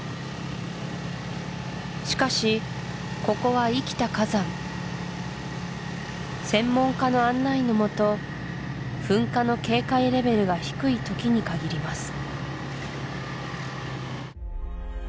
しかしここは生きた火山専門家の案内のもと噴火の警戒レベルが低い時に限ります